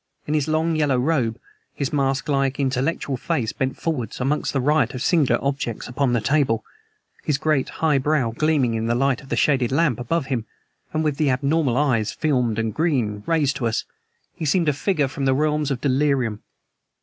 In his long, yellow robe, his masklike, intellectual face bent forward amongst the riot of singular objects upon the table, his great, high brow gleaming in the light of the shaded lamp above him, and with the abnormal eyes, filmed and green, raised to us, he seemed a figure from the realms of delirium.